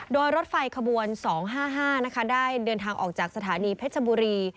โดยรถไฟขบวน๒๕๕นะคะได้เดินทางออกจากสถานีเพชรบุรี